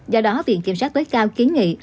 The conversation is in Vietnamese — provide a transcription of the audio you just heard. do đó viện kiểm soát tối cao kiến nghị